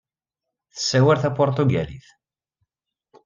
Tessawal tapuṛtugalit.